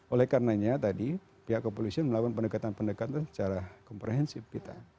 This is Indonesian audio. oleh karenanya tadi pihak kepolisian melakukan pendekatan pendekatan secara komprehensif kita